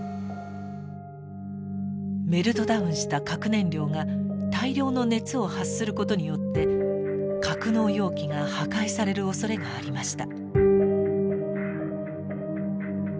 メルトダウンした核燃料が大量の熱を発することによって格納容器が破壊されるおそれがありました。